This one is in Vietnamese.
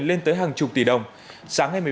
lên tới hàng chục tỷ đồng sáng ngày